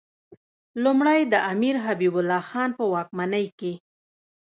لومړی د امیر حبیب الله خان په واکمنۍ کې.